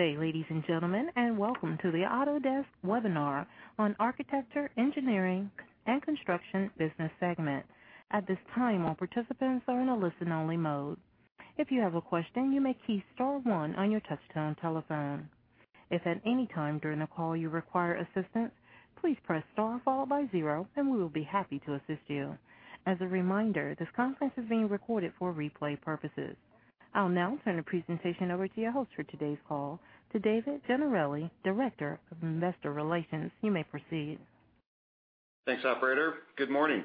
Ladies and gentlemen, welcome to the Autodesk webinar on Architecture, Engineering, and Construction business segment. At this time, all participants are in a listen-only mode. If you have a question, you may key star one on your touch-tone telephone. If at any time during the call you require assistance, please press star followed by zero, and we will be happy to assist you. As a reminder, this conference is being recorded for replay purposes. I'll now turn the presentation over to your host for today's call, David Gennarelli, Director of Investor Relations. You may proceed. Thanks, Operator. Good morning.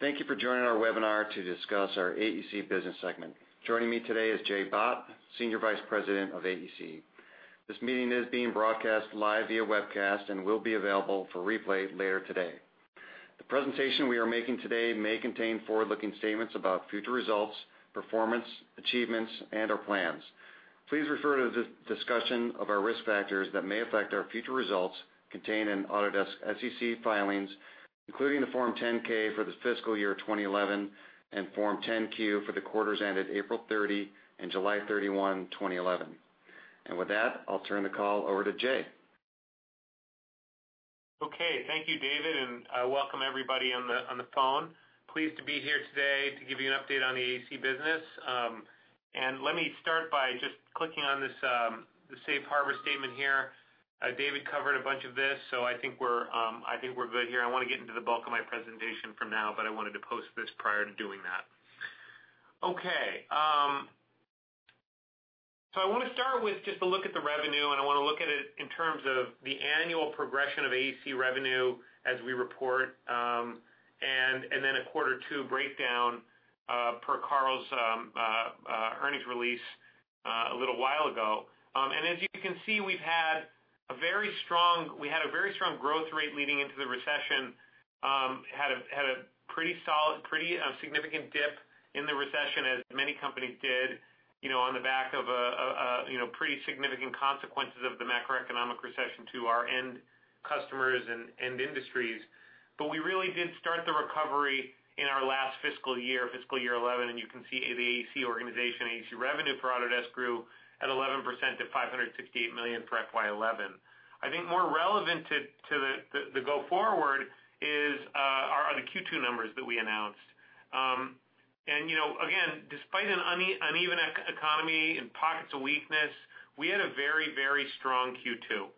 Thank you for joining our webinar to discuss our AEC business segment. Joining me today is Jay Bhatt, Senior Vice President of AEC. This meeting is being broadcast live via webcast and will be available for replay later today. The presentation we are making today may contain forward-looking statements about future results, performance, achievements, and/or plans. Please refer to the discussion of our risk factors that may affect our future results contained in Autodesk SEC filings, including the Form 10-K for the fiscal year 2011 and Form 10-Q for the quarters ended April 30 and July 31, 2011. With that, I'll turn the call over to Jay. Okay. Thank you, David, and welcome everybody on the phone. Pleased to be here today to give you an update on the AEC business. Let me start by just clicking on this Safe Harbor statement here. David covered a bunch of this, so I think we're good here. I want to get into the bulk of my presentation for now, but I wanted to post this prior to doing that. I want to start with just a look at the revenue, and I want to look at it in terms of the annual progression of AEC revenue as we report, and then a Q2 breakdown per Carl's earnings release a little while ago. As you can see, we had a very strong growth rate leading into the recession, had a pretty significant dip in the recession, as many companies did, on the back of pretty significant consequences of the macro-economic recession to our end customers and industries. We really did start the recovery in our last fiscal year, fiscal year 2011, and you can see the AEC organization, AEC revenue for Autodesk grew at 11% to $568 million for FY 2011. I think more relevant to the go-forward are the Q2 numbers that we announced. Again, despite an uneven economy and pockets of weakness, we had a very, very strong Q2.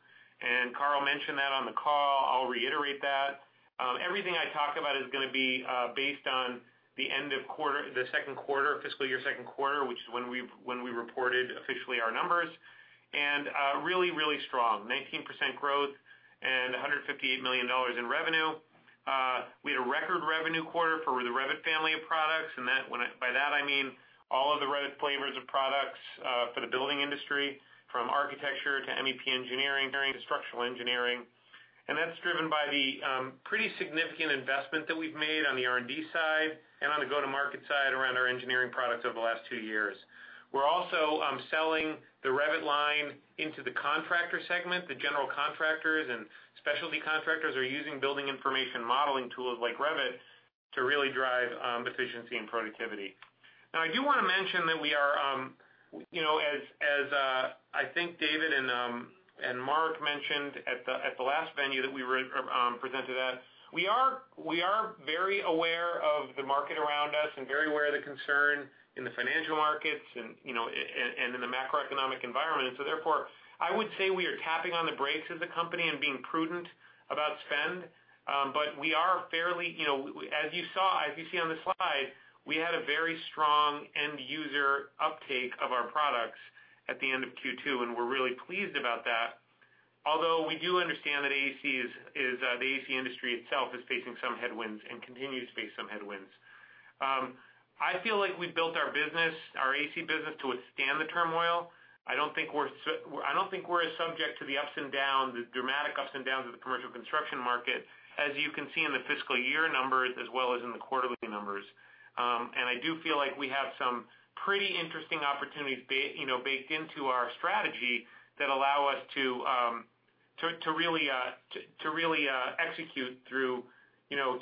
Carl mentioned that on the call. I'll reiterate that. Everything I talk about is going to be based on the end of quarter, the second quarter, fiscal year second quarter, which is when we reported officially our numbers. Really, really strong, 19% growth and $158 million in revenue. We had a record revenue quarter for the Revit family of products, and by that, I mean all of the Revit flavors of products for the building industry, from architecture to MEP engineering to structural engineering. That's driven by the pretty significant investment that we've made on the R&D side and on the go-to-market side around our engineering products over the last two years. We're also selling the Revit line into the contractor segment. The general contractors and specialty contractors are using building information modeling tools like Revit to really drive efficiency and productivity. I do want to mention that we are, as I think David and Mark mentioned at the last venue that we were presented at, we are very aware of the market around us and very aware of the concern in the financial markets and in the macro-economic environment. Therefore, I would say we are tapping on the brakes of the company and being prudent about spend. We are fairly, you know, as you saw, as you see on the slide, we had a very strong end-user uptake of our products at the end of Q2, and we're really pleased about that. Although we do understand that the AEC industry itself is facing some headwinds and continues to face some headwinds. I feel like we've built our business, our AEC business, to withstand the turmoil. I don't think we're subject to the ups and downs, the dramatic ups and downs of the commercial construction market, as you can see in the fiscal year numbers as well as in the quarterly numbers. I do feel like we have some pretty interesting opportunities baked into our strategy that allow us to really execute through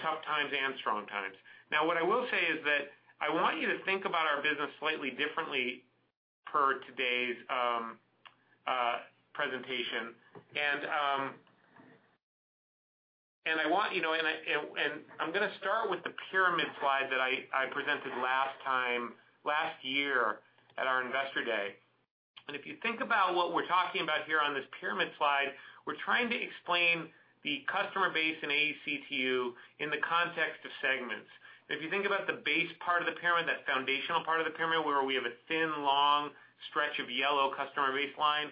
tough times and strong times. What I will say is that I want you to think about our business slightly differently per today's presentation. I'm going to start with the pyramid slide that I presented last time, last year at our Investor Day. If you think about what we're talking about here on this pyramid slide, we're trying to explain the customer base in AEC to you in the context of segments. If you think about the base part of the pyramid, that foundational part of the pyramid where we have a thin, long stretch of yellow customer baseline,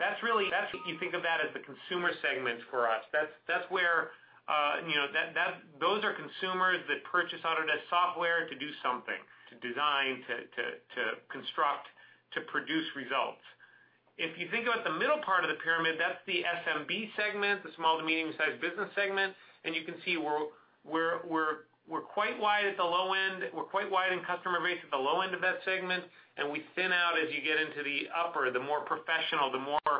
that's really, you think of that as the consumer segments for us. That's where those are consumers that purchase Autodesk software to do something, to design, to construct, to produce results. If you think about the middle part of the pyramid, that's the SMB segment, the small to medium-sized business segment. You can see we're quite wide at the low end. We're quite wide in customer base at the low end of that segment, and we thin out as you get into the upper, the more professional, the more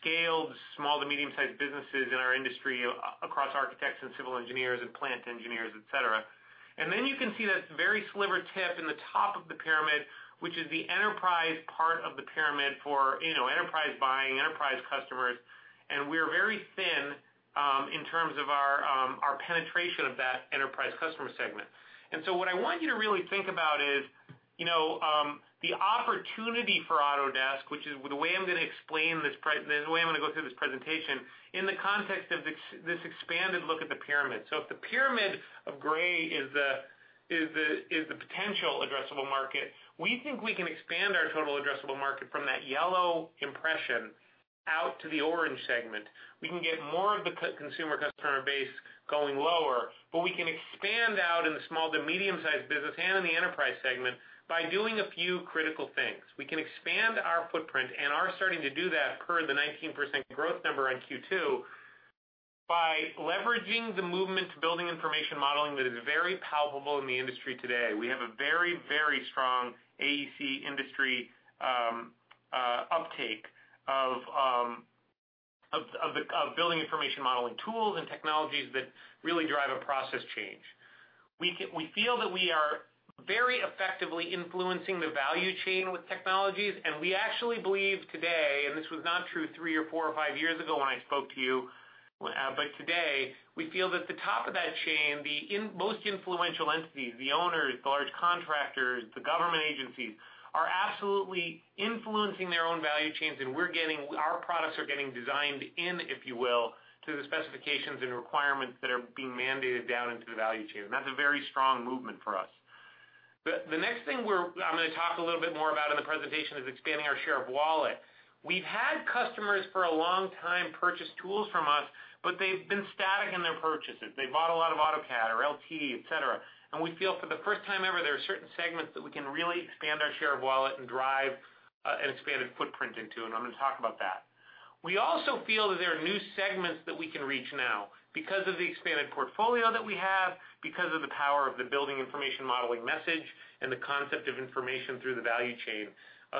scaled small to medium-sized businesses in our industry across architects and civil engineers and plant engineers, etc. Then you can see that very sliver tip in the top of the pyramid, which is the enterprise part of the pyramid for enterprise buying, enterprise customers. We are very thin in terms of our penetration of that enterprise customer segment. What I want you to really think about is the opportunity for Autodesk, which is the way I'm going to explain this, the way I'm going to go through this presentation in the context of this expanded look at the pyramid. If the pyramid of gray is the potential addressable market, we think we can expand our total addressable market from that yellow impression out to the orange segment. We can get more of the consumer customer base going lower, but we can expand out in the small to medium-sized business and in the enterprise segment by doing a few critical things. We can expand our footprint and are starting to do that per the 19% growth number on Q2 by leveraging the movement to building information modeling that is very palpable in the industry today. We have a very, very strong AEC industry uptake of building information modeling tools and technologies that really drive a process change. We feel that we are very effectively influencing the value chain with technologies. We actually believe today, and this was not true three or four or five years ago when I spoke to you, but today, we feel that the top of that chain, the most influential entities, the owners, the large contractors, the government agencies are absolutely influencing their own value chains. We're getting our products are getting designed in, if you will, to the specifications and requirements that are being mandated down into the value chain. That's a very strong movement for us. The next thing I'm going to talk a little bit more about in the presentation is expanding our share of wallet. We've had customers for a long time purchase tools from us, but they've been static in their purchases. They bought a lot of AutoCAD or LT, etc. We feel for the first time ever, there are certain segments that we can really expand our share of wallet and drive an expanded footprint into. I'm going to talk about that. We also feel that there are new segments that we can reach now because of the expanded portfolio that we have, because of the power of the building information modeling message and the concept of information through the value chain,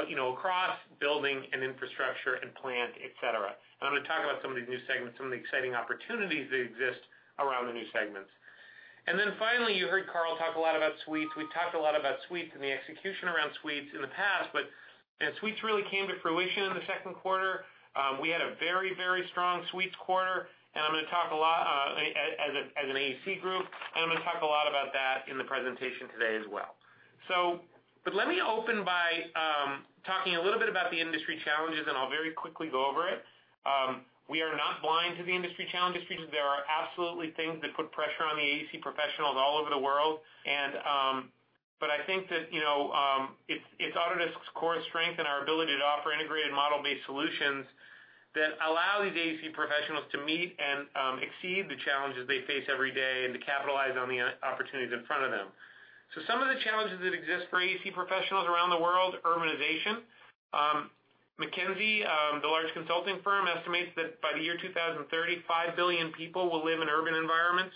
you know, across building and infrastructure and plant, etc. I'm going to talk about some of these new segments, some of the exciting opportunities that exist around the new segments. Finally, you heard Carl talk a lot about suites. We've talked a lot about suites and the execution around suites in the past, but suites really came to fruition in the second quarter. We had a very, very strong suites quarter. I'm going to talk a lot as an AEC group, and I'm going to talk a lot about that in the presentation today as well. Let me open by talking a little bit about the industry challenges, and I'll very quickly go over it. We are not blind to the industry challenges because there are absolutely things that put pressure on the AEC professionals all over the world. I think that it's Autodesk's core strength and our ability to offer integrated model-based solutions that allow these AEC professionals to meet and exceed the challenges they face every day and to capitalize on the opportunities in front of them. Some of the challenges that exist for AEC professionals around the world include urbanization. McKinsey, the large consulting firm, estimates that by the year 2030, 5 billion people will live in urban environments,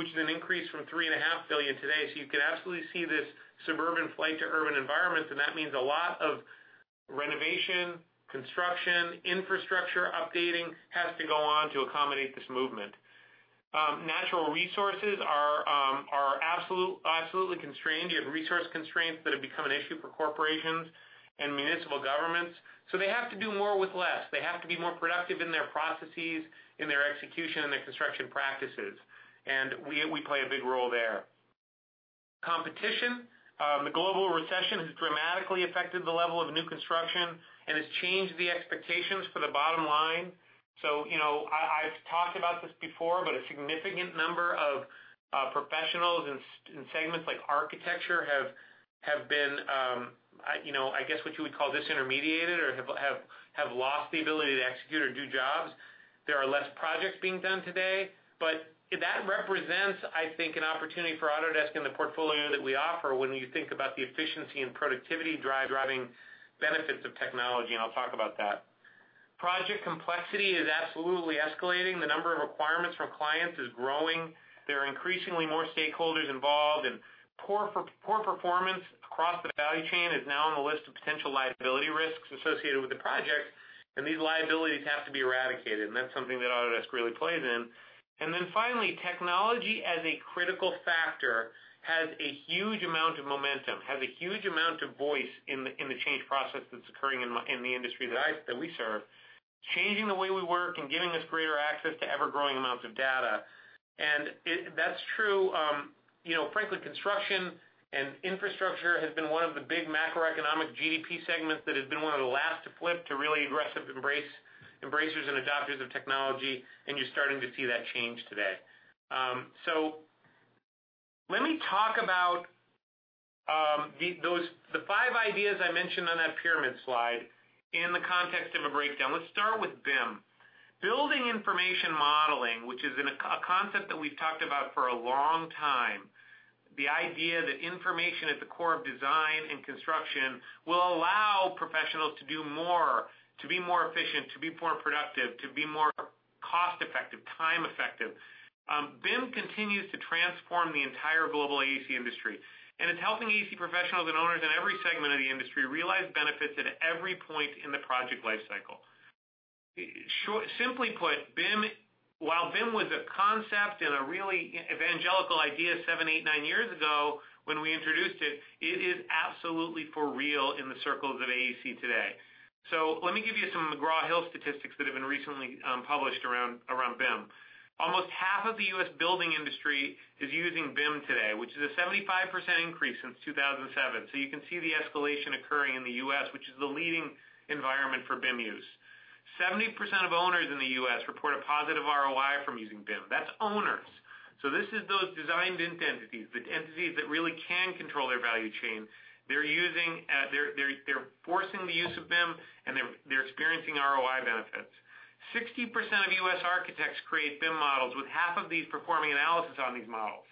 which is an increase from 3.5 billion today. You can absolutely see this suburban flight to urban environments. That means a lot of renovation, construction, and infrastructure updating has to go on to accommodate this movement. Natural resources are absolutely constrained. You have resource constraints that have become an issue for corporations and municipal governments. They have to do more with less. They have to be more productive in their processes, in their execution, and their construction practices. We play a big role there. Competition, the global recession has dramatically affected the level of new construction and has changed the expectations for the bottom line. I've talked about this before, but a significant number of professionals in segments like architecture have been, I guess what you would call disintermediated or have lost the ability to execute or do jobs. There are fewer projects being done today. That represents, I think, an opportunity for Autodesk in the portfolio that we offer when you think about the efficiency and productivity driving benefits of technology. I'll talk about that. Project complexity is absolutely escalating. The number of requirements from clients is growing. There are increasingly more stakeholders involved, and poor performance across the value chain is now on the list of potential liability risks associated with the projects. These liabilities have to be eradicated. That's something that Autodesk really plays in. Finally, technology as a critical factor has a huge amount of momentum, has a huge amount of voice in the change process that's occurring in the industry that we serve, changing the way we work and giving us greater access to ever-growing amounts of data. That's true. Frankly, construction and infrastructure has been one of the big macro-economic GDP segments that has been one of the last to flip to really aggressive embracers and adopters of technology. You're starting to see that change today. Let me talk about the five ideas I mentioned on that pyramid slide in the context of a breakdown. Let's start with BIM. Building Information Modeling, which is a concept that we've talked about for a long time, the idea that information at the core of design and construction will allow professionals to do more, to be more efficient, to be more productive, to be more cost-effective, time-effective. BIM continues to transform the entire global AEC industry. It's helping AEC professionals and owners in every segment of the industry realize benefits at every point in the project lifecycle. Simply put, while BIM was a concept and a really evangelical idea seven, eight, nine years ago when we introduced it, it is absolutely for real in the circles of AEC today. Let me give you some McGraw Hill statistics that have been recently published around BIM. Almost half of the U.S. building industry is using BIM today, which is a 75% increase since 2007. You can see the escalation occurring in the U.S., which is the leading environment for BIM use. 70% of owners in the U.S. report a positive ROI from using BIM. That's owners. This is those designed entities, the entities that really can control their value chain. They're forcing the use of BIM, and they're experiencing ROI benefits. 60% of U.S. architects create BIM models with half of these performing analysis on these models.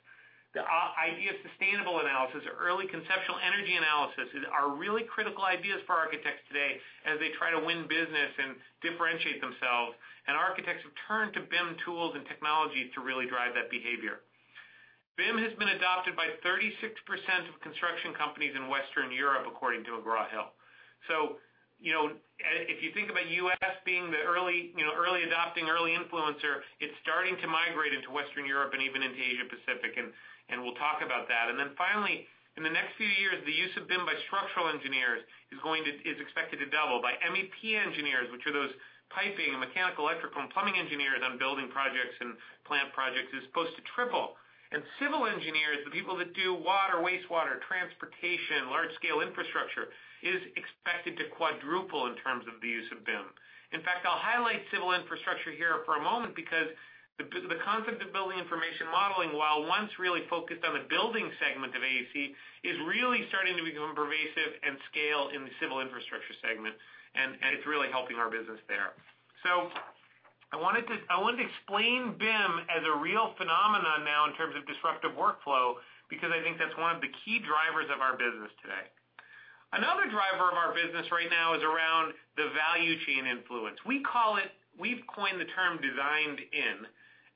The idea of sustainable analysis, early conceptual energy analysis, are really critical ideas for architects today as they try to win business and differentiate themselves. Architects have turned to BIM tools and technology to really drive that behavior. BIM has been adopted by 36% of construction companies in Western Europe, according to McGraw Hill. If you think about the U.S. being the early adopting, early influencer, it's starting to migrate into Western Europe and even into Asia-Pacific. We'll talk about that. Finally, in the next few years, the use of BIM by structural engineers is expected to double. By MEP engineers, which are those piping, mechanical, electrical, and plumbing engineers on building projects and plant projects, it is supposed to triple. Civil engineers, the people that do water, wastewater, transportation, large-scale infrastructure, are expected to quadruple in terms of the use of BIM. In fact, I'll highlight civil infrastructure here for a moment because the concept of Building Information Modeling, while once really focused on the building segment of AEC, is really starting to become pervasive and scale in the civil infrastructure segment. It's really helping our business there. I wanted to explain BIM as a real phenomenon now in terms of disruptive workflow because I think that's one of the key drivers of our business today. Another driver of our business right now is around the value chain influence. We call it, we've coined the term designed in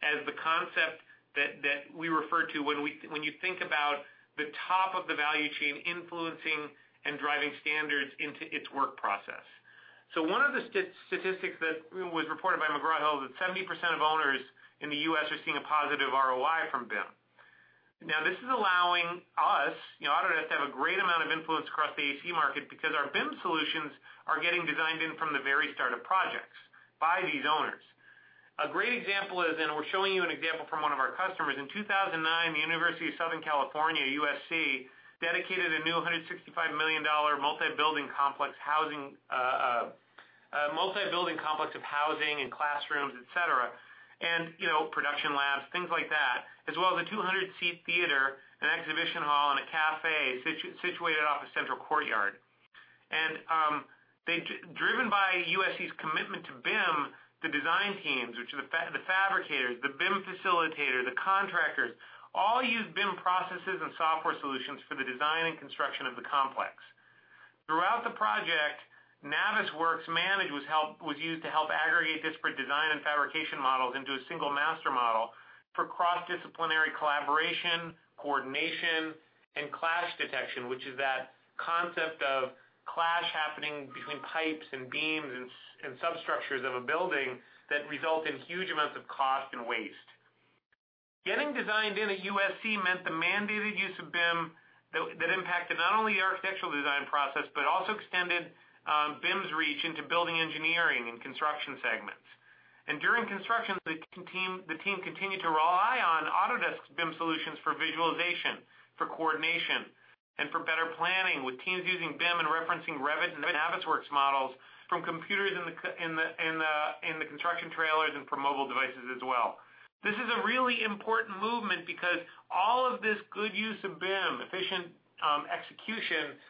as the concept that we refer to when you think about the top of the value chain influencing and driving standards into its work process. One of the statistics that was reported by McGraw Hill is that 70% of owners in the U.S. are seeing a positive ROI from BIM. This is allowing us, you know, Autodesk, to have a great amount of influence across the AEC market because our BIM solutions are getting designed in from the very start of projects by these owners. A great example is, and we're showing you an example from one of our customers. In 2009, the University of Southern California, USC, dedicated a new $165 million multi-building complex of housing and classrooms, etc., and production labs, things like that, as well as a 200-seat theater, an exhibition hall, and a cafe situated off a central courtyard. Driven by USC's commitment to BIM, the design teams, which are the fabricators, the BIM facilitator, the contractors, all use BIM processes and software solutions for the design and construction of the complex. Throughout the project, Navisworks Manage was used to help aggregate disparate design and fabrication models into a single master model for cross-disciplinary collaboration, coordination, and clash detection, which is that concept of clash happening between pipes and beams and substructures of a building that result in huge amounts of cost and waste. Getting designed in at USC meant the mandated use of BIM that impacted not only the architectural design process but also extended BIM's reach into building engineering and construction segments. During construction, the team continued to rely on Autodesk's BIM solutions for visualization, for coordination, and for better planning with teams using BIM and referencing Revit and Navisworks models from computers in the construction trailers and from mobile devices as well. This is a really important movement because all of this good use of BIM, efficient execution,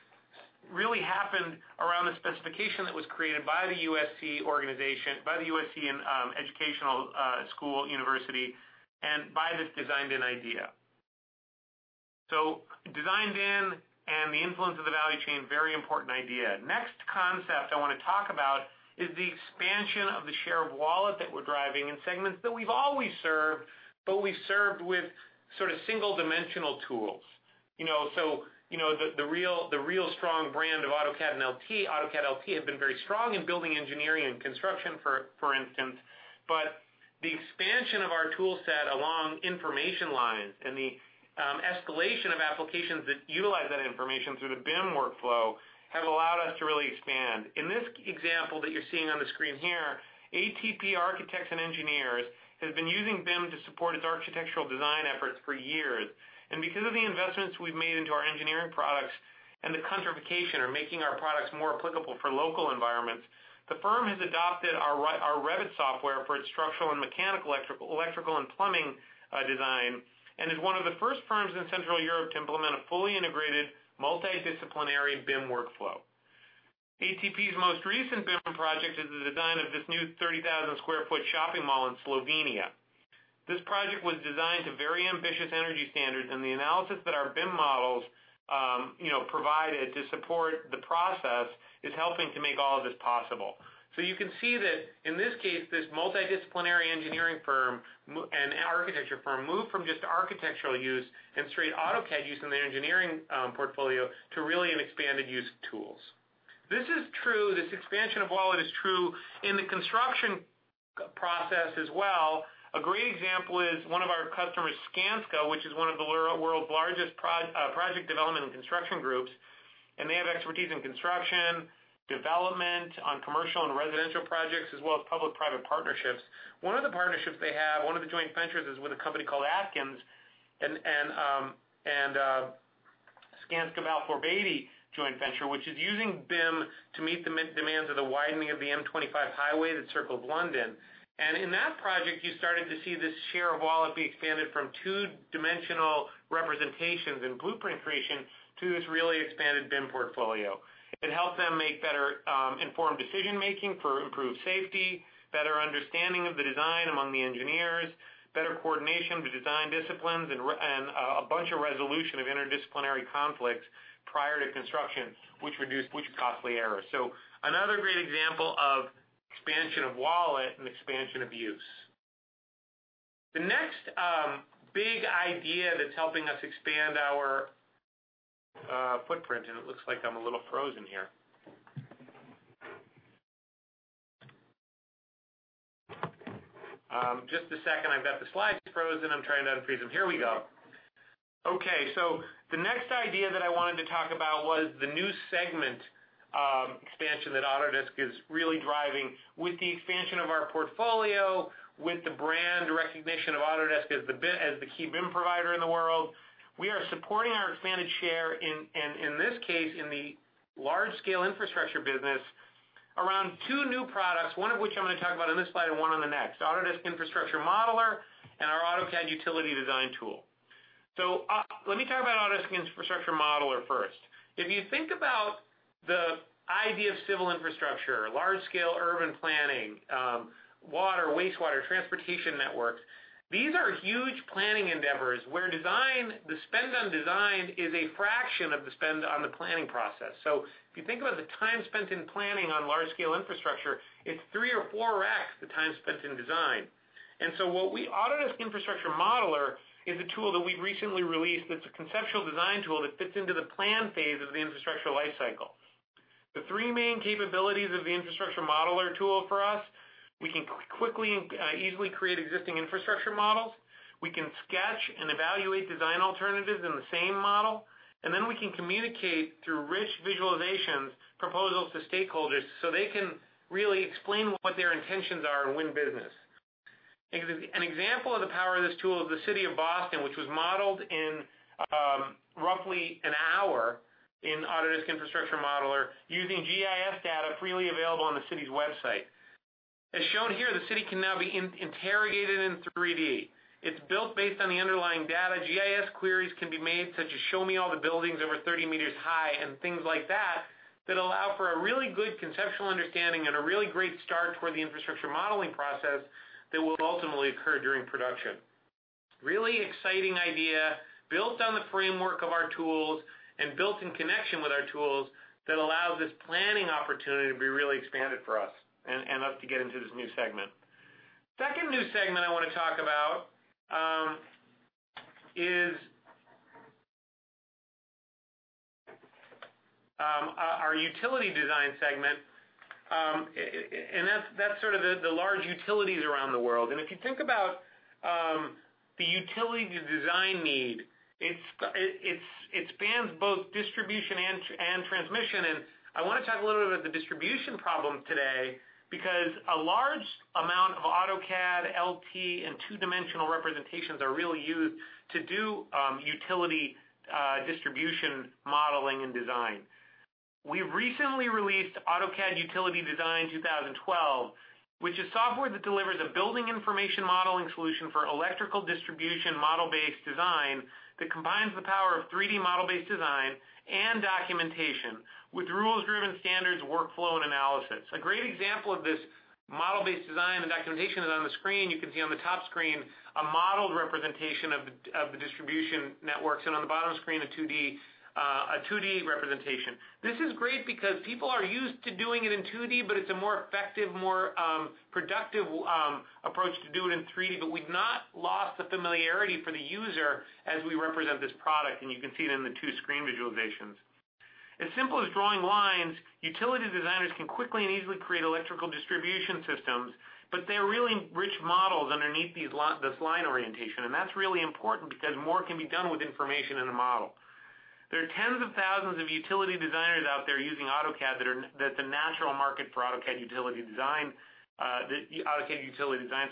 really happened around a specification that was created by the USC organization, by the USC Educational School University, and by this designed-in idea. Designed in and the influence of the value chain, very important idea. Next concept I want to talk about is the expansion of the share of wallet that we're driving in segments that we've always served, but we've served with sort of single-dimensional tools. You know the real strong brand of AutoCAD and LT. AutoCAD LT had been very strong in building engineering and construction, for instance. The expansion of our toolset along information lines and the escalation of applications that utilize that information through the BIM workflow have allowed us to really expand. In this example that you're seeing on the screen here, ATP architects engineers has been using BIM to support its architectural design efforts for years. Because of the investments we've made into our engineering products and the contraindication or making our products more applicable for local environments, the firm has adopted our Revit software for its structural and mechanical, electrical, and plumbing design and is one of the first firms in Central Europe to implement a fully integrated multidisciplinary BIM workflow. ATP's most recent BIM project is the design of this new 30,000 sq ft shopping mall in Slovenia. This project was designed to very ambitious energy standards, and the analysis that our BIM models provided to support the process is helping to make all of this possible. You can see that in this case, this multidisciplinary engineering firm and architecture firm moved from just architectural use and straight AutoCAD use in the engineering portfolio to really an expanded use of tools. This is true. This expansion of wallet is true in the construction process as well. A great example is one of our customers, Skanska, which is one of the world's largest project development and construction groups. They have expertise in construction development on commercial and residential projects, as well as public-private partnerships. One of the partnerships they have, one of the joint ventures, is with a company called Atkins and Skanska Balfour Beatty Joint Venture, which is using BIM to meet the demands of the widening of the M25 highway that circles London. In that project, you started to see this share of wallet be expanded from two-dimensional representations and blueprint creation to this really expanded BIM portfolio. It helped them make better informed decision-making for improved safety, better understanding of the design among the engineers, better coordination of the design disciplines, and a bunch of resolution of interdisciplinary conflicts prior to construction, which reduced costly errors. Another great example of expansion of wallet and expansion of use. The next big idea that's helping us expand our footprint, it looks like I'm a little frozen here. Just a second, I've got the slides frozen. I'm trying to unfreeze them. Here we go. Okay. The next idea that I wanted to talk about was the new segment expansion that Autodesk is really driving with the expansion of our portfolio, with the brand recognition of Autodesk as the key BIM provider in the world. We are supporting our expanded share in this case, in the large-scale infrastructure business, around two new products, one of which I'm going to talk about in this slide and one on the next, Autodesk Infrastructure Modeler and our AutoCAD Utility Design tool. Let me talk about Autodesk Infrastructure Modeler first. If you think about the idea of civil infrastructure, large-scale urban planning, water, wastewater, transportation networks, these are huge planning endeavors where the spend on design is a fraction of the spend on the planning process. If you think about the time spent in planning on large-scale infrastructure, it's 3x or 4x the time spent in design. Autodesk Infrastructure Modeler is a tool that we've recently released that's a conceptual design tool that fits into the plan phase of the infrastructure lifecycle. The three main capabilities of the Infrastructure Modeler tool for us, we can quickly and easily create existing infrastructure models. We can sketch and evaluate design alternatives in the same model. We can communicate through rich visualizations and proposals to stakeholders so they can really explain what their intentions are and win business. An example of the power of this tool is the city of Boston, which was modeled in roughly an hour in Autodesk Infrastructure Modeler using GIS data freely available on the city's website. As shown here, the city can now be interrogated in 3D. It's built based on the underlying data. GIS queries can be made, such as show me all the buildings over 30 meters high and things like that that allow for a really good conceptual understanding and a really great start toward the infrastructure modeling process that will ultimately occur during production. This is a really exciting idea built on the framework of our tools and built in connection with our tools that allows this planning opportunity to be really expanded for us and us to get into this new segment. The second new segment I want to talk about is our utility design segment. That is sort of the large utilities around the world. If you think about the utility design need, it spans both distribution and transmission. I want to talk a little bit about the distribution problem today because a large amount of AutoCAD LT and two-dimensional representations are really used to do utility distribution modeling and design. We've recently released AutoCAD Utility Design 2012, which is software that delivers a building information modeling solution for electrical distribution model-based design that combines the power of 3D model-based design and documentation with rules-driven standards, workflow, and analysis. A great example of this model-based design and documentation is on the screen. You can see on the top screen a modeled representation of the distribution networks and on the bottom screen a 2D representation. This is great because people are used to doing it in 2D, but it's a more effective, more productive approach to do it in 3D. We've not lost the familiarity for the user as we represent this product. You can see it in the two screen visualizations. As simple as drawing lines, utility designers can quickly and easily create electrical distribution systems, but they're really rich models underneath this line orientation. That's really important because more can be done with information in the model. There are tens of thousands of utility designers out there using AutoCAD that are the natural market for AutoCAD Utility Design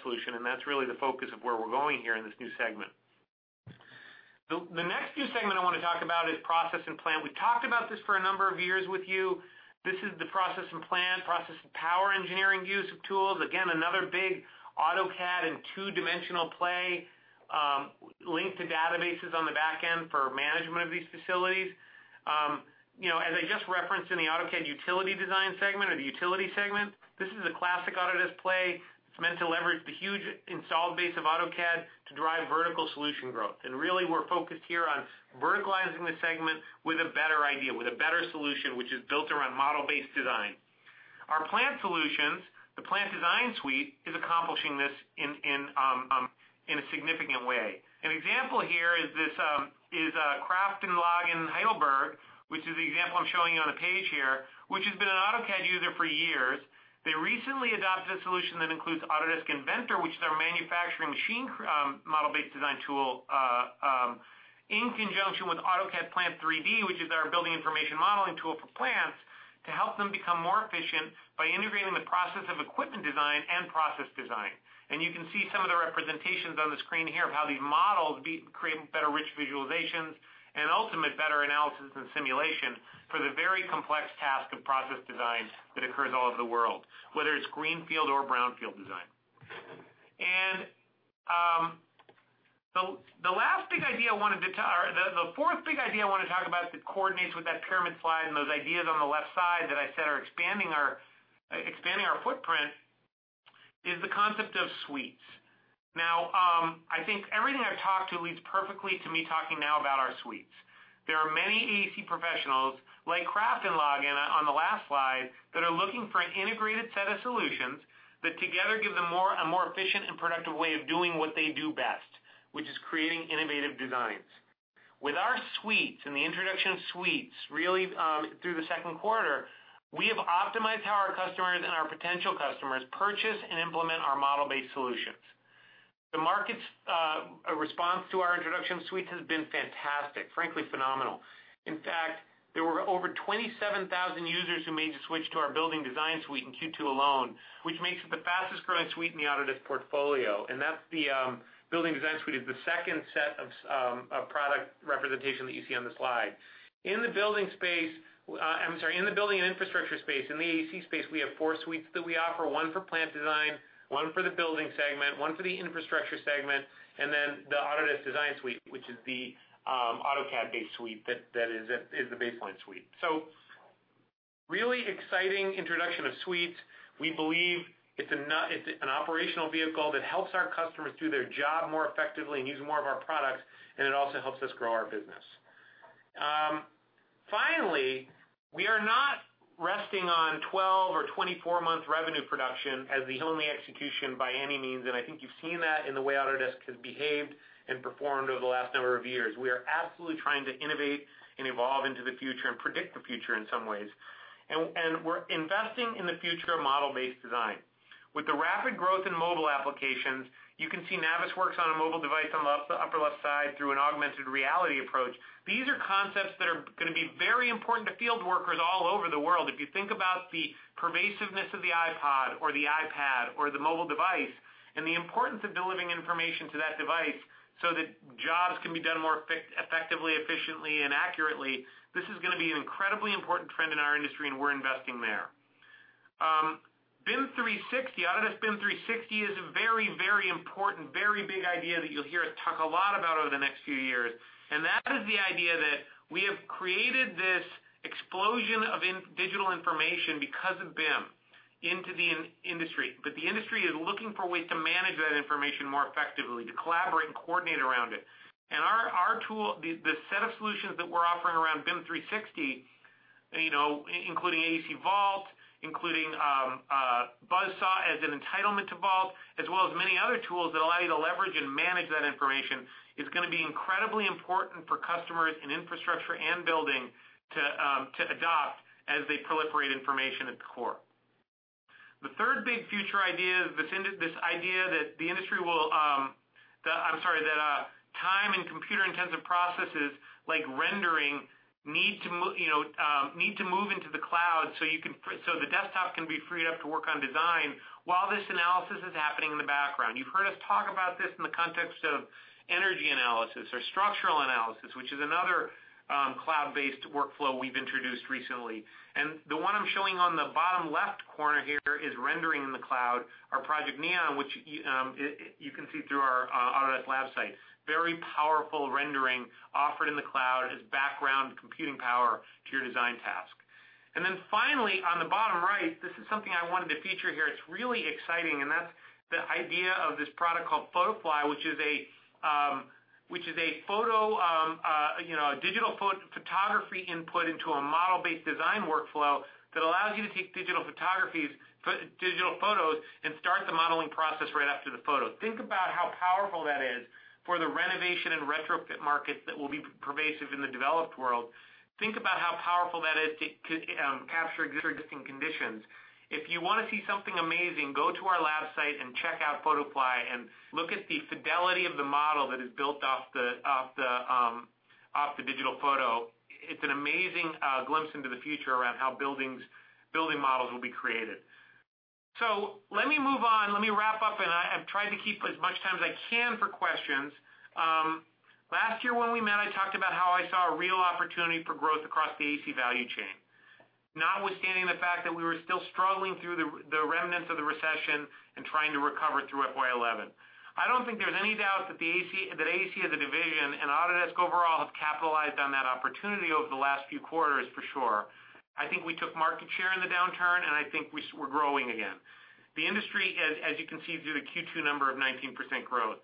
Solution. That's really the focus of where we're going here in this new segment. The next new segment I want to talk about is process and plant. We've talked about this for a number of years with you. This is the process and plant, process and power engineering use of tools. Again, another big AutoCAD and two-dimensional play linked to databases on the backend for management of these facilities. As I just referenced in the AutoCAD Utility Design segment or the utility segment, this is a classic Autodesk play meant to leverage the huge installed base of AutoCAD to drive vertical solution growth. We're focused here on verticalizing the segment with a better idea, with a better solution, which is built around model-based design. Our plant solutions, the Plant Design Suite, is accomplishing this in a significant way. An example here is Kraftalagen Heidelberg, which is the example I'm showing you on a page here, which has been an AutoCAD user for years. They recently adopted a solution that includes Autodesk Inventor, which is our manufacturing machine model-based design tool, in conjunction with AutoCAD Plant 3D, which is our building information modeling tool for plants, to help them become more efficient by integrating the process of equipment design and process design. You can see some of the representations on the screen here of how these models create better rich visualizations and ultimately better analysis and simulation for the very complex task of process designs that occurs all over the world, whether it's greenfield or brownfield design. The last big idea I wanted to, or the fourth big idea I want to talk about that coordinates with that pyramid slide and those ideas on the left side that I said are expanding our footprint, is the concept of suites. I think everything I've talked to leads perfectly to me talking now about our suites. There are many AEC professionals like Kraftanlagen on the last slide that are looking for an integrated set of solutions that together give them a more efficient and productive way of doing what they do best, which is creating innovative designs. With our suites and the introduction of suites really through the second quarter, we have optimized how our customers and our potential customers purchase and implement our model-based solutions. The market's response to our introduction of suites has been fantastic, frankly phenomenal. In fact, there were over 27,000 users who made the switch to our Building Design Suite in Q2 alone, which makes it the fastest growing suite in the Autodesk portfolio. That's the Building Design Suite, the second set of product representation that you see on the slide. In the building and infrastructure space, in the AEC space, we have four suites that we offer: one for plant design, one for the building segment, one for the infrastructure segment, and then the Autodesk Design Suite, which is the AutoCAD-based suite that is the baseline suite. Really exciting introduction of suites. We believe it's an operational vehicle that helps our customers do their job more effectively and use more of our products, and it also helps us grow our business. Finally, we are not resting on 12- or 24-month revenue production as the only execution by any means. I think you've seen that in the way Autodesk has behaved and performed over the last number of years. We are absolutely trying to innovate and evolve into the future and predict the future in some ways. We're investing in the future of model-based design. With the rapid growth in mobile applications, you can see Navisworks on a mobile device on the upper left side through an augmented reality approach. These are concepts that are going to be very important to field workers all over the world. If you think about the pervasiveness of the iPod or the iPad or the mobile device and the importance of delivering information to that device so that jobs can be done more effectively, efficiently, and accurately, this is going to be an incredibly important trend in our industry, and we're investing there. BIM 360, Autodesk BIM 360 is a very, very important, very big idea that you'll hear us talk a lot about over the next few years. That is the idea that we have created this explosion of digital information because of BIM into the industry. The industry is looking for a way to manage that information more effectively, to collaborate and coordinate around it. Our tool, the set of solutions that we're offering around BIM 360, including AEC Vault, including Buzzsaw as an entitlement to Vault, as well as many other tools that allow you to leverage and manage that information, is going to be incredibly important for customers in infrastructure and building to adopt as they proliferate information at the core. The third big future idea is this idea that the industry will, that time and computer-intensive processes like rendering need to move into the cloud so the desktop can be freed up to work on design while this analysis is happening in the background. You've heard us talk about this in the context of energy analysis or structural analysis, which is another cloud-based workflow we've introduced recently. The one I'm showing on the bottom left corner here is rendering in the cloud, our Project Neon, which you can see through our Autodesk Labs site. Very powerful rendering offered in the cloud as background computing power to your design task. Finally, on the bottom right, this is something I wanted to feature here. It's really exciting. That's the idea of this product called Photofly, which is a digital photography input into a model-based design workflow that allows you to take digital photos, and start the modeling process right after the photo. Think about how powerful that is for the renovation and retrofit markets that will be pervasive in the developed world. Think about how powerful that is to capture existing conditions. If you want to see something amazing, go to our lab site and check out Photofly and look at the fidelity of the model that is built off the digital photo. It's an amazing glimpse into the future around how building models will be created. Let me move on. Let me wrap up. I'm trying to keep as much time as I can for questions. Last year when we met, I talked about how I saw a real opportunity for growth across the AEC value chain, notwithstanding the fact that we were still struggling through the remnants of the recession and trying to recover through FY 2011. I don't think there's any doubt that AEC, the division, and Autodesk overall have capitalized on that opportunity over the last few quarters for sure. I think we took market share in the downturn, and I think we're growing again. The industry, as you can see through the Q2 number of 19% growth,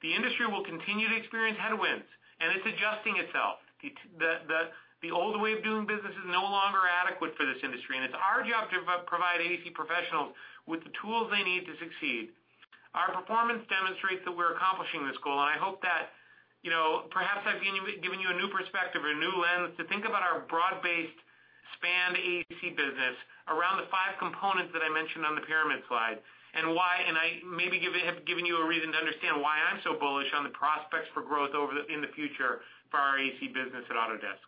will continue to experience headwinds, and it's adjusting itself. The old way of doing business is no longer adequate for this industry. It's our job to provide AEC professionals with the tools they need to succeed. Our performance demonstrates that we're accomplishing this goal. I hope that, you know, perhaps I've given you a new perspective or a new lens to think about our broad-based spanned AEC business around the five components that I mentioned on the pyramid slide. Maybe I have given you a reason to understand why I'm so bullish on the prospects for growth in the future for our AEC business at Autodesk.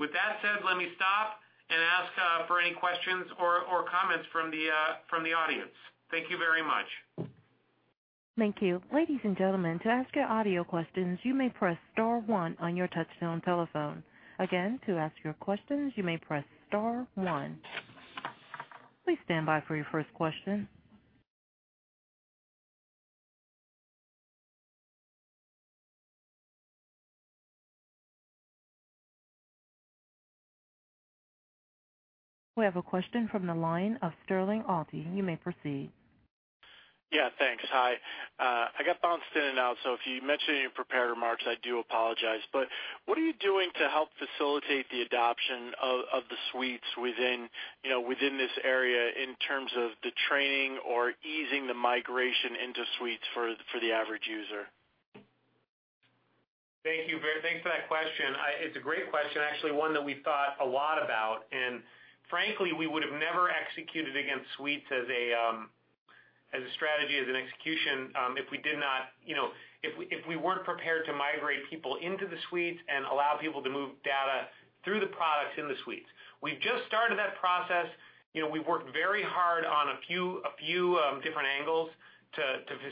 With that said, let me stop and ask for any questions or comments from the audience. Thank you very much. Thank you. Ladies and gentlemen, to ask your audio questions, you may press star one on your touch-tone telephone. Again, to ask your questions, you may press star one. Please stand by for your first question. We have a question from the line of Sterling Auty. You may proceed. Yeah, thanks. Hi. I got bounced in and out. If you mentioned in your prepared remarks, I do apologize. What are you doing to help facilitate the adoption of the suites within this area in terms of the training or easing the migration into suites for the average user? Thank you. Thanks for that question. It's a great question, actually, one that we thought a lot about. Frankly, we would have never executed against suites as a strategy, as an execution if we weren't prepared to migrate people into the suites and allow people to move data through the products in the suites. We've just started that process. We've worked very hard on a few different angles to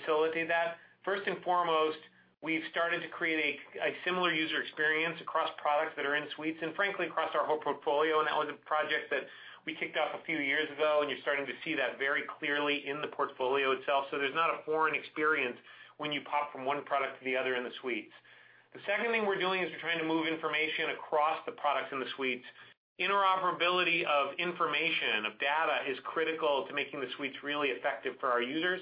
facilitate that. First and foremost, we've started to create a similar user experience across products that are in suites and frankly across our whole portfolio. That was a project that we kicked off a few years ago. You're starting to see that very clearly in the portfolio itself. There's not a foreign experience when you pop from one product to the other in the suites. The second thing we're doing is we're trying to move information across the products in the suites. Interoperability of information, of data, is critical to making the suites really effective for our users.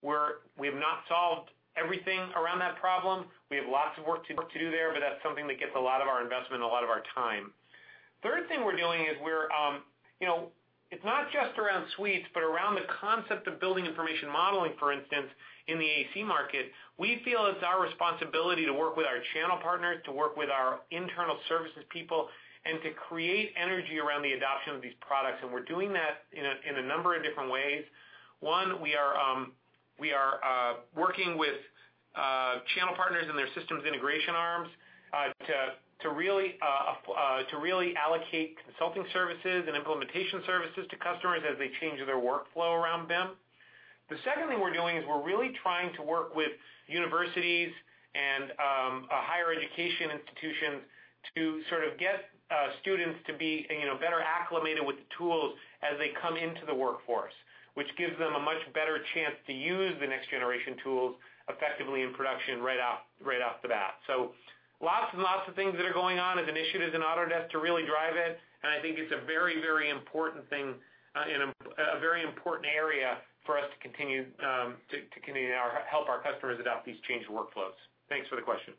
We have not solved everything around that problem. We have lots of work to do there, but that's something that gets a lot of our investment and a lot of our time. The third thing we're doing is, it's not just around suites, but around the concept of building information modeling, for instance, in the AEC market. We feel it's our responsibility to work with our channel partners, to work with our internal services people, and to create energy around the adoption of these products. We're doing that in a number of different ways. One, we are working with channel partners and their systems integration arms to really allocate consulting services and implementation services to customers as they change their workflow around BIM. The second thing we're doing is we're really trying to work with universities and higher education institutions to sort of get students to be better acclimated with the tools as they come into the workforce, which gives them a much better chance to use the next generation tools effectively in production right out the bat. Lots and lots of things are going on as initiatives in Autodesk to really drive it. I think it's a very, very important thing and a very important area for us to continue to help our customers adopt these changed workflows. Thanks for the question.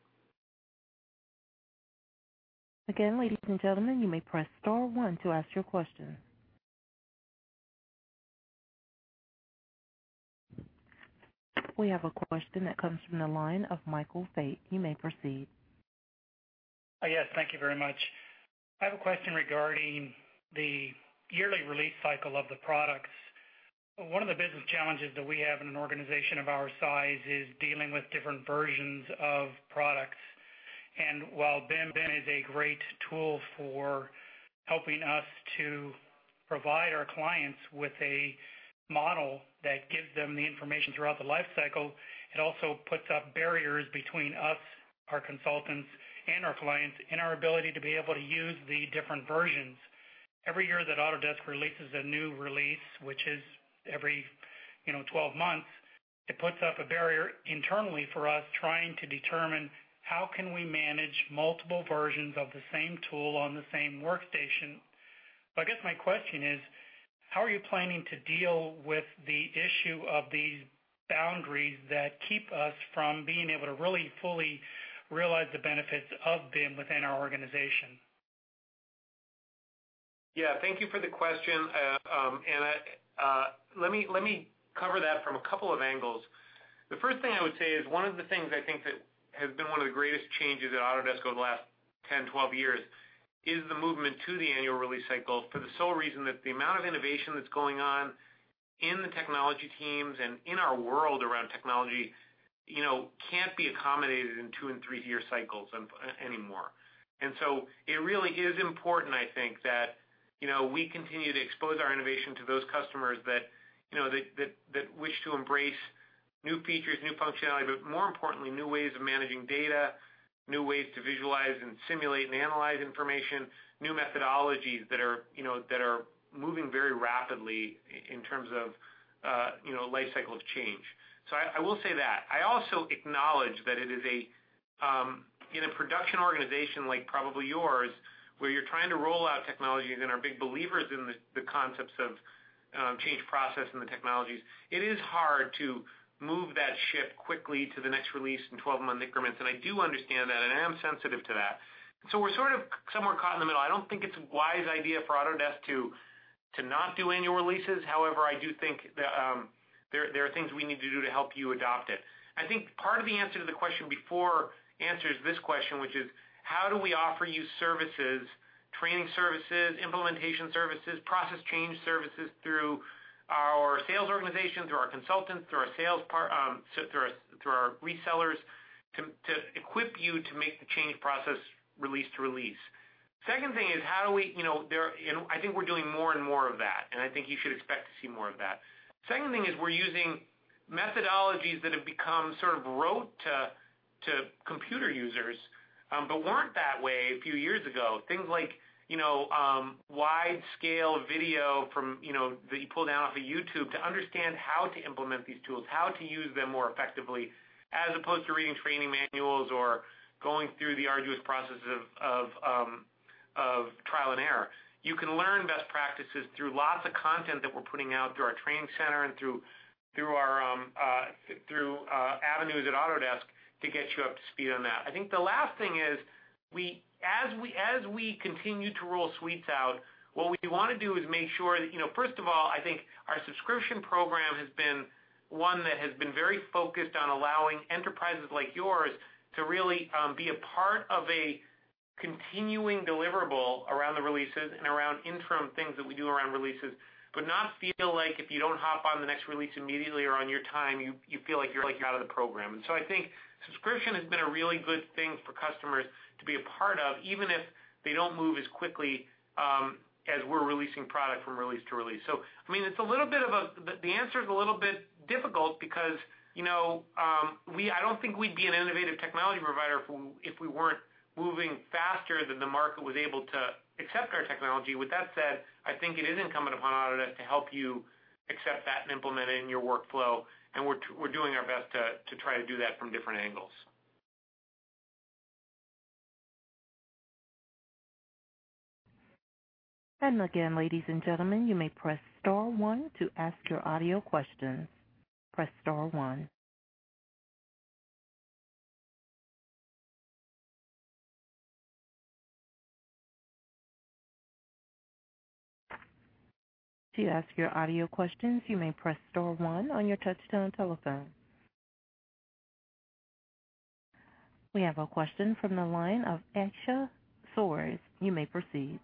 Again, ladies and gentlemen, you may press star one to ask your question. We have a question that comes from the line of Michael [Faith]. You may proceed. Yes, thank you very much. I have a question regarding the yearly release cycle of the products. One of the business challenges that we have in an organization of our size is dealing with different versions of products. While BIM is a great tool for helping us to provide our clients with a model that gives them the information throughout the lifecycle, it also puts up barriers between us, our consultants, and our clients in our ability to be able to use the different versions. Every year that Autodesk releases a new release, which is every 12 months, it puts up a barrier internally for us trying to determine how can we manage multiple versions of the same tool on the same workstation. I guess my question is, how are you planning to deal with the issue of these boundaries that keep us from being able to really fully realize the benefits of BIM within our organization? Thank you for the question. Let me cover that from a couple of angles. The first thing I would say is one of the things I think that has been one of the greatest changes at Autodesk over the last 10, 12 years is the movement to the annual release cycle for the sole reason that the amount of innovation that's going on in the technology teams and in our world around technology can't be accommodated in two and three-year cycles anymore. It really is important, I think, that we continue to expose our innovation to those customers that wish to embrace new features, new functionality, but more importantly, new ways of managing data, new ways to visualize and simulate and analyze information, new methodologies that are moving very rapidly in terms of a lifecycle of change. I will say that. I also acknowledge that it is, in a production organization like probably yours, where you're trying to roll out technology and are big believers in the concepts of change process and the technologies, it is hard to move that ship quickly to the next release in 12-month increments. I do understand that, and I am sensitive to that. We're sort of somewhere caught in the middle. I don't think it's a wise idea for Autodesk to not do annual releases. However, I do think that there are things we need to do to help you adopt it. I think part of the answer to the question before answers this question, which is how do we offer you services, training services, implementation services, process change services through our sales organization, through our consultants, through our resellers to equip you to make the change process release to release? The second thing is how do we, you know, and I think we're doing more and more of that. I think you should expect to see more of that. The second thing is we're using methodologies that have become sort of rote to computer users but weren't that way a few years ago. Things like, you know, wide-scale video from, you know, that you pull down off of YouTube to understand how to implement these tools, how to use them more effectively, as opposed to reading training manuals or going through the arduous process of trial and error. You can learn best practices through lots of content that we're putting out through our training center and through our avenues at Autodesk to get you up to speed on that. I think the last thing is we, as we continue to roll suites out, what we want to do is make sure that, you know, first of all, I think our subscription program has been one that has been very focused on allowing enterprises like yours to really be a part of a continuing deliverable around the releases and around interim things that we do around releases, but not feel like if you don't hop on the next release immediately or on your time, you feel like you're out of the program. I think subscription has been a really good thing for customers to be a part of, even if they don't move as quickly as we're releasing product from release to release. It's a little bit of a, the answer is a little bit difficult because, you know, I don't think we'd be an innovative technology provider if we weren't moving faster than the market was able to accept our technology. With that said, I think it is incumbent upon Autodesk to help you accept that and implement it in your workflow. We're doing our best to try to do that from different angles. Ladies and gentlemen, you may press star one to ask your audio questions. Press star one. To ask your audio questions, you may press star one on your touch-tone telephone. We have a question from the line of [Aksha Soars]. You may proceed.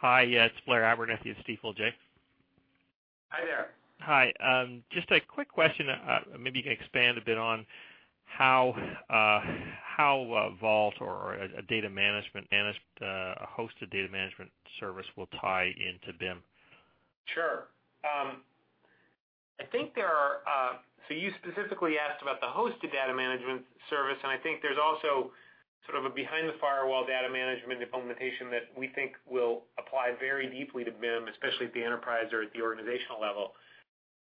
Hi, it's Blair Abernethy of Stifel, Jay. Hi there. Hi. Just a quick question. Maybe you can expand a bit on how Vault or a hosted data management service will tie into BIM. Sure. I think there are, so you specifically asked about the hosted data management service, and I think there's also sort of a behind-the-firewall data management implementation that we think will apply very deeply to BIM, especially at the enterprise or at the organizational level.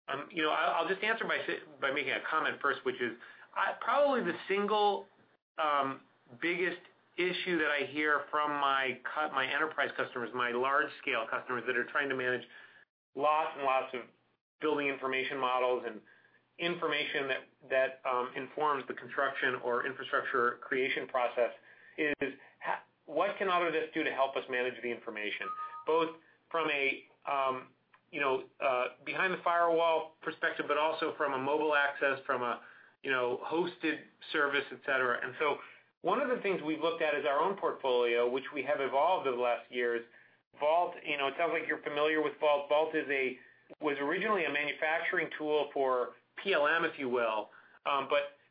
I'll just answer by making a comment first, which is probably the single biggest issue that I hear from my enterprise customers, my large-scale customers that are trying to manage lots and lots of building information models and information that informs the construction or infrastructure creation process is what can Autodesk do to help us manage the information, both from a behind-the-firewall perspective, but also from a mobile access, from a hosted service, etc. One of the things we've looked at is our own portfolio, which we have evolved over the last years. Vault, you know, it sounds like you're familiar with Vault. Vault was originally a manufacturing tool for PLM, if you will.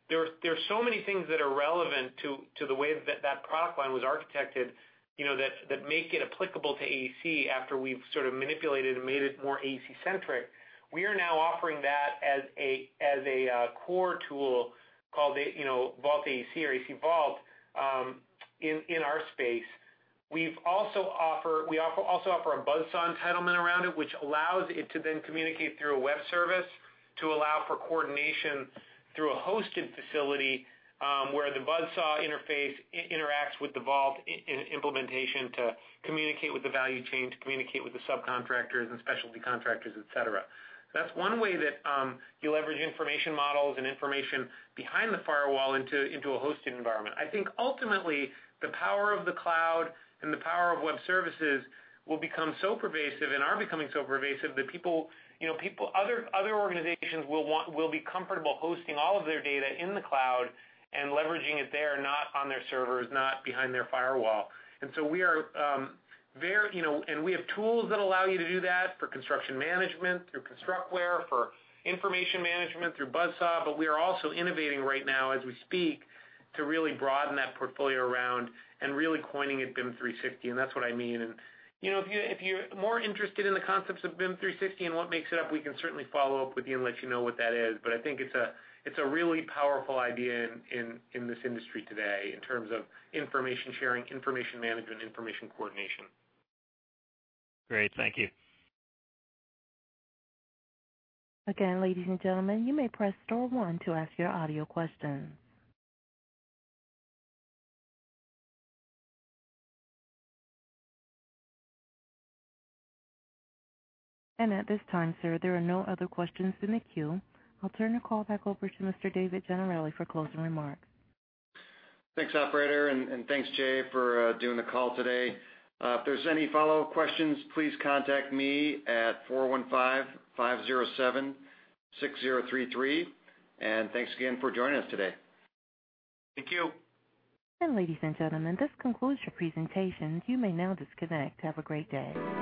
There are so many things that are relevant to the way that that product line was architected, you know, that make it applicable to AEC after we've sort of manipulated and made it more AEC-centric. We are now offering that as a core tool called, you know, Vault AEC or AEC Vault in our space. We also offer a Buzzsaw entitlement around it, which allows it to then communicate through a web service to allow for coordination through a hosted facility where the Buzzsaw interface interacts with the Vault implementation to communicate with the value chain, to communicate with the subcontractors and specialty contractors, etc. That's one way that you leverage information models and information behind the firewall into a hosted environment. I think ultimately, the power of the cloud and the power of web services will become so pervasive and are becoming so pervasive that people, you know, other organizations will be comfortable hosting all of their data in the cloud and leveraging it there, not on their servers, not behind their firewall. We are very, you know, and we have tools that allow you to do that for construction management, through Constructware, for information management, through Buzzsaw. We are also innovating right now as we speak to really broaden that portfolio around and really coining it BIM 360. That's what I mean. If you're more interested in the concepts of BIM 360 and what makes it up, we can certainly follow up with you and let you know what that is. I think it's a really powerful idea in this industry today in terms of information sharing, information management, information coordination. Great. Thank you. Again, ladies and gentlemen, you may press star one to ask your audio question. At this time, sir, there are no other questions in the queue. I'll turn the call back over to Mr. David Gennarelli for closing remarks. Thanks, Operator, and thanks, Jay, for doing the call today. If there's any follow-up questions, please contact me at 415-507-6033. Thanks again for joining us today. Thank you. Ladies and gentlemen, this concludes your presentations. You may now disconnect. Have a great day.